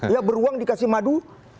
ya beruang dikasih madu